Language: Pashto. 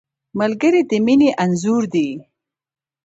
ملګری د مینې انځور دی